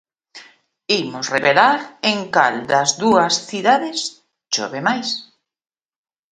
Imos revelar en cal das dúas cidades chove máis.